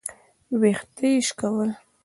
ويښته يې شکول.